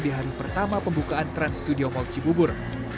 di hari pertama pembukaan trans studio mall cibubur